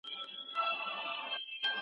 ځکه نو علامه حبیبي